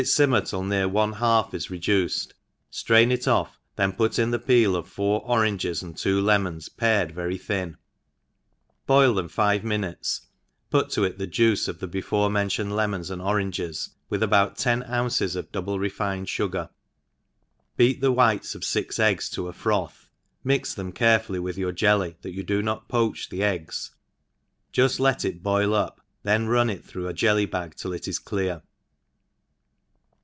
£mnier till near one half is reduced, flrain it offi then put in the peel of four oranges, and two lemons pared very thin, boil them five minutes, put to it the juice of the before*mentioned le mons and oranges, viith about ten ounces of double refined fugar, beat the whites of fix eggs to a froth, mix them carefully with your jelly, that you do not poach the eggs,, jufl let it boil up, and run it through a jelly bag till it is clear. 3V r £NGLtSH HOUSE KfeEPER.